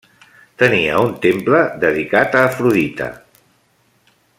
Tenia un temple dedicar a Afrodita.